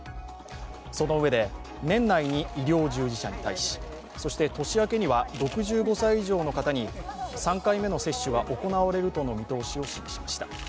そのうえで、年内に医療従事者に対し、そして年明けには６５歳以上の方に３回目の接種が行われるとの見通しを示しました。